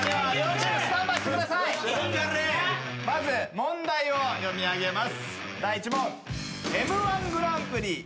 まず問題を読み上げます。